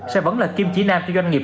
sẽ vẫn là kim chỉ nam cho doanh nghiệp